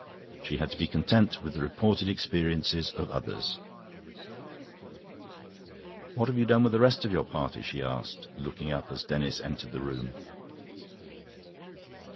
She had to be content with the reported experiences of others. "What have you done with the rest of your party?" she asked, looking up as Denis entered the room.